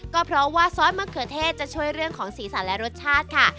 ก็เพราะว่าซอสมะเขือเทศจะช่วยเรื่องของสีสันและรสชาติค่ะ